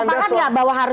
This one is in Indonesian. maksudnya money politik